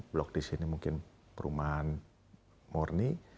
blok di sini mungkin perumahan murni